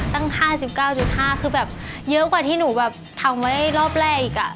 ตั้ง๕๙๕คือแบบเยอะกว่าที่หนูแบบทำไว้รอบแรกอีก